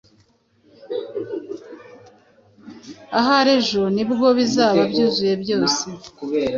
ahari ejo nibwo bizaba byuzuye byose